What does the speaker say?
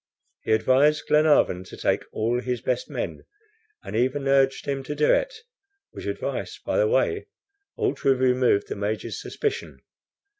He advised Glenarvan to take all his best men, and even urged him to do it, which advice, by the way, ought to have removed the Major's suspicion.